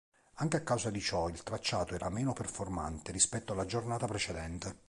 Anche a causa di ciò il tracciato era meno performante rispetto alla giornata precedente.